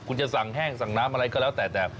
คุณจะสั่งแห้งสั่งน้ำอะไรก็แล้วแต่แต่